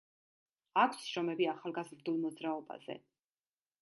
აქვს შრომები ახალგაზრდულ მოძრაობაზე.